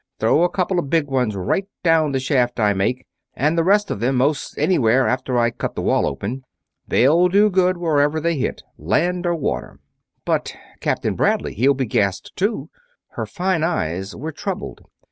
Throw a couple of big ones right down the shaft I make, and the rest of them most anywhere, after I cut the wall open. They'll do good wherever they hit, land or water." "But Captain Bradley he'll be gassed, too." Her fine eyes were troubled.